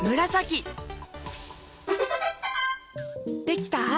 できた？